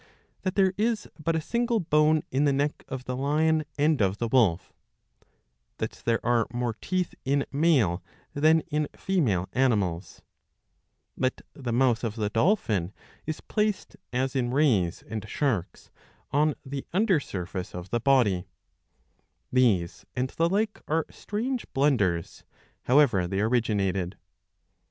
That there is but a single bone in the neck of the lion and of the wolf; that there are more teeth in male than in female animals ; that the mouth of the dolphin is placed, as in rays and sharks, on the under surface of the (3> '^ rl' XU INTRODUCTION. body; these and the like are strange blunders, however they originated.